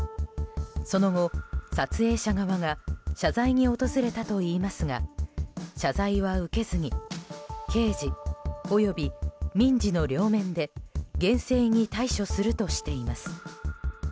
その後、撮影者側が謝罪に訪れたといいますが謝罪は受けずに刑事及び民事の両面で厳正に対処するとしています。